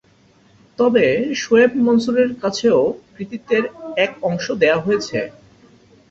তবে শোয়েব মনসুরের কাছেও কৃতিত্বের এক অংশ দেয়া হয়েছে।